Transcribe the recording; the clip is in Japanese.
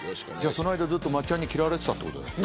その間ずっと松ちゃんに嫌われてたってことだよね。